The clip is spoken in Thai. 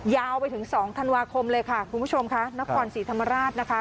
ยาวไปถึง๒ธันวาคมเลยค่ะคุณผู้ชมค่ะนครศรีธรรมราชนะคะ